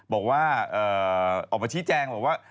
บอกว่าออกมาชี้แจงบอกว่า